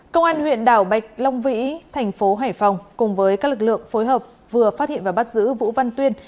công an huyện đảo bạch long vĩ thành phố hải phòng cùng với các lực lượng phối hợp vừa phát hiện và bắt giữ vũ văn tuyên